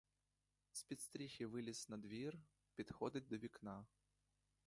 З-під стріхи виліз надвір, підходить до вікна.